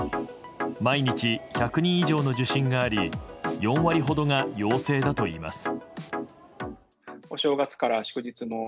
毎日１００人以上の受診があり４割ほどが陽性だといいます。